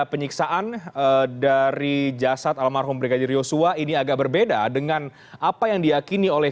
penyiksaan dari jasad almarhum brigadir yosua ini agak berbeda dengan apa yang diakini oleh